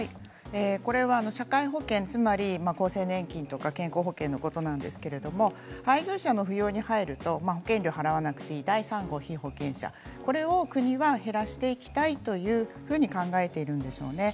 これは社会保険つまり厚生年金とか健康保険のことなんですけれども配偶者の扶養に入ると保険料を払わなくていい第３号被保険者これを国が減らしていきたいと考えているんでしょうね。